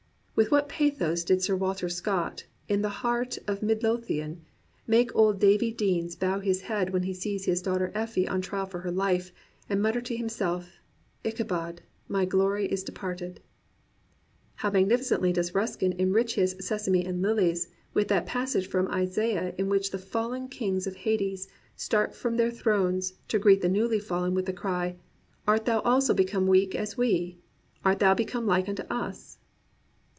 With what pathos does Sir Walter Scott, in The Heart of Mid lothian, make old Davie Deans bow his head when he sees his daughter EflSe on trial for her life, and mutter to himself, " Ichabod ! my glory is departed !" How magnificently does Ruskin enrich his Sesame and Lilies with that passage from Isaiah in which the fallen kings of Hades start from their thrones to greet the newly fallen with the cry, "Art thou also become weak as we.^ Art thou become like unto us